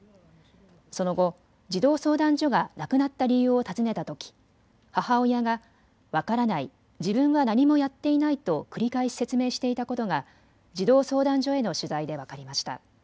その後、児童相談所が亡くなった理由を尋ねたとき母親が分からない、自分は何もやっていないと繰り返し説明していたことが児童相談所への取材で分かりました。